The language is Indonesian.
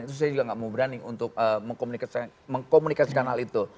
itu saya juga nggak mau berani untuk mengkomunikasikan hal itu